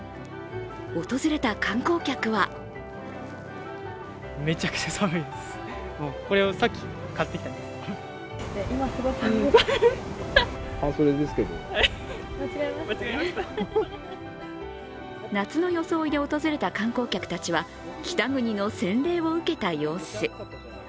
訪れた観光客は夏の装いで訪れた観光客たちは北国の洗礼を受けた様子。